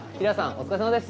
お疲れさまです。